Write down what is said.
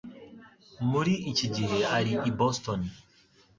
Muri iki gihe, ari i Boston.